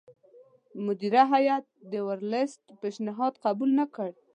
مدیره هیات د ورلسټ پېشنهاد قبول نه کړ.